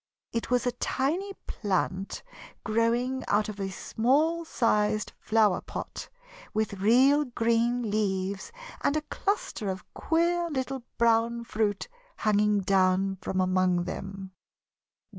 It was a tiny plant growing out of a small sized flower pot, with real green leaves and a cluster of queer little brown fruit hanging down from among them.